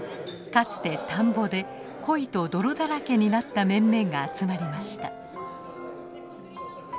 かつて田んぼでコイと泥だらけになった面々が集まりました。